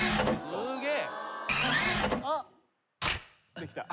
すげえ。